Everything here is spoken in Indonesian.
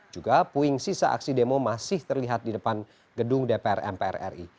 juga puing sisa aksi demo masih terlihat di depan gedung dpr mpr ri